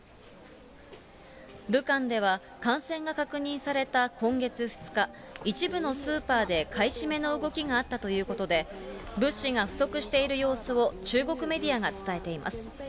武漢では、感染が確認された今月２日、一部のスーパーで買い占めの動きがあったということで、物資が不足している様子を中国メディアが伝えています。